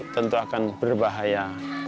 tentu akan berbahaya